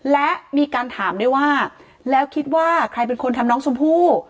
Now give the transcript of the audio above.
และมีการถามด้วยว่าแล้วคิดว่าใครเป็นคนทำน้องชมพู่